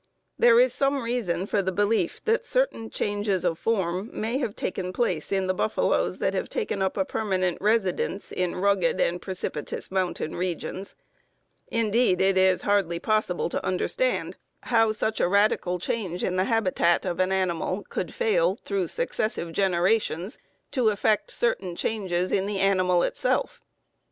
There is some reason for the belief that certain changes of form may have taken place in the buffaloes that have taken up a permanent residence in rugged and precipitous mountain regions. Indeed, it is hardly possible to understand how such a radical change in the habitat of an animal could fail, through successive generations, to effect certain changes in the animal itself.